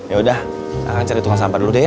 yaudah akan cari tukang sampah dulu deh ya